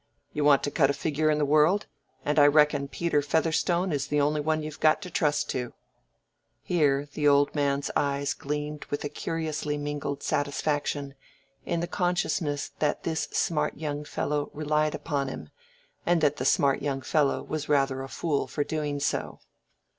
You want to cut a figure in the world, and I reckon Peter Featherstone is the only one you've got to trust to." Here the old man's eyes gleamed with a curiously mingled satisfaction in the consciousness that this smart young fellow relied upon him, and that the smart young fellow was rather a fool for doing so.